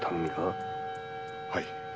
はい。